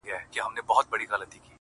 o هغه به چيري اوسي باران اوري، ژلۍ اوري.